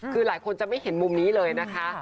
คือหลายคนจะไม่เห็นมุมนี้เลยนะคะ